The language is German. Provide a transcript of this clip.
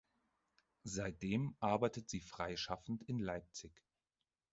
Seitdem arbeitet sie freischaffend in Leipzig.